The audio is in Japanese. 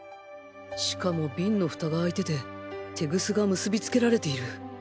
しかもビンのフタが開いててテグスが結びつけられている。